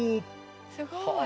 すごい。